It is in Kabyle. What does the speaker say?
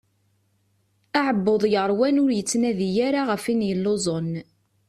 Aɛebbuḍ yeṛwan ur yettnadi ara ɣef win yelluẓen.